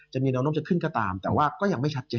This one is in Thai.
จะมีแนวโน้มจะขึ้นก็ตามแต่ว่าก็ยังไม่ชัดเจน